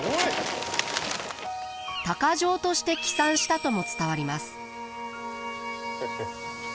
鷹匠として帰参したとも伝わります。